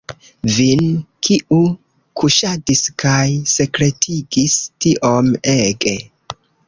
Vin, kiu kaŝadis kaj sekretigis tiom ege!